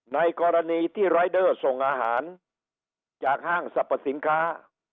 ในกรณีที่รายเดอร์ส่งอาหารจากห้างสรรพสินค้า